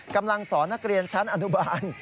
กำลังสอนนักเรียนชั้นอนุบาล